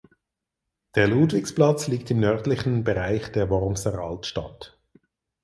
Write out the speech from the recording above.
Der Ludwigsplatz liegt im nördlichen Bereich der Wormser Altstadt.